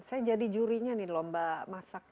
saya jadi jurinya nih lomba masak